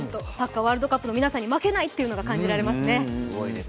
ワールドカップの皆さんに負けないというのが感じられますね。